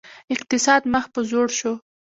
اقتصاد مخ په ځوړ شو